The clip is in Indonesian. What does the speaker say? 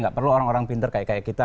gak perlu orang orang pinter kayak kita